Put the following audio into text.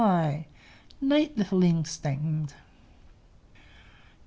Neat little inkstand!